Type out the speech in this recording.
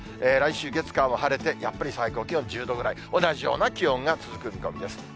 来週月、火は晴れて、やっぱり最高気温１０度ぐらい、同じような気温が続く見込みです。